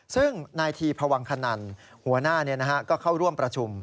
ซึ่งนายทีพวังคณันหัวหน้าก็เข้าร่วมประชุม